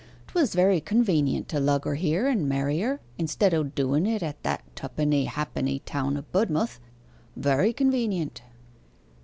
'Twas very convenient to lug her here and marry her instead o' doen it at that twopenny halfpenny town o' Budm'th. Very convenient.